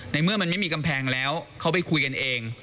เมื่อมันไม่มีกำแพงแล้วเขาไปคุยกันเอง